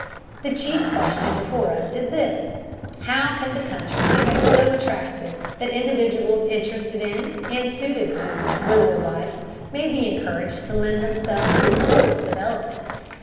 The chief question before us is this: How can the country be made so attractive that individuals interested in, and suited to, rural life may be encouraged to lend themselves to its fullest development?